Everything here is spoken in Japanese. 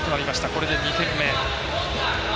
これで２点目。